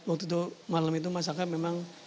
waktu itu malam itu mas aka memang